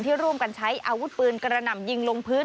ร่วมกันใช้อาวุธปืนกระหน่ำยิงลงพื้น